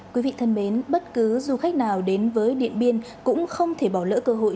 quý vị thân mến bất cứ du khách nào đến với điện biên cũng không thể bỏ lỡ cơ hội